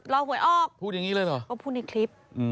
แล้วก็พูดในคลิป